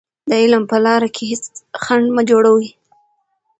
د علم په لاره کې هېڅ خنډ مه جوړوئ.